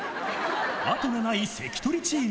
後がない関取チーム。